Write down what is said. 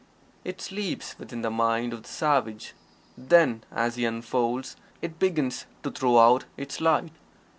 It sleeps within the mind of the savage then, as he unfolds, it begins to throw out its light.